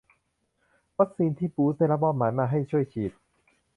วัคซีนที่บูตส์ได้รับมอบหมายมาให้ช่วยฉีด